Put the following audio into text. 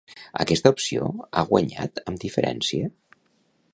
Aquesta opció ha guanyat amb diferència?